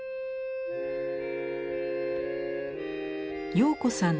陽子さん